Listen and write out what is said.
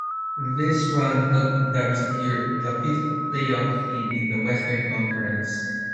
This run helped them secure the fifth playoff seed in the Western Conference.